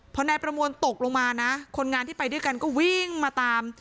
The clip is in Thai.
พอนายประมวลตกลงมานะคนงานที่ไปด้วยกันก็วิ่งมาตาม